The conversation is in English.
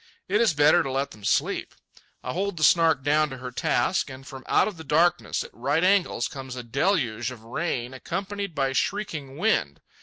It is better to let them sleep. I hold the Snark down to her task, and from out of the darkness, at right angles, comes a deluge of rain accompanied by shrieking wind.